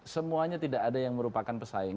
semuanya tidak ada yang merupakan pesaing